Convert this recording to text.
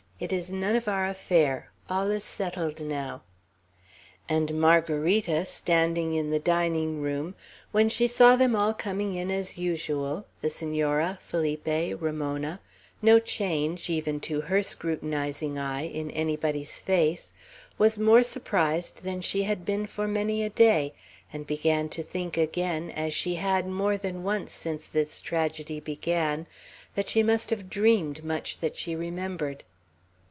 It is none of our affair. All is settled now." And Margarita, standing in the dining room, when she saw them all coming in as usual, the Senora, Felipe, Ramona, no change, even to her scrutinizing eye, in anybody's face, was more surprised than she had been for many a day; and began to think again, as she had more than once since this tragedy began, that she must have dreamed much that she remembered.